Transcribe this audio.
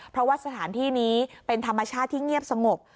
เพราะว่าสถานที่นี้เป็นธรรมชาติที่เงียบสงบ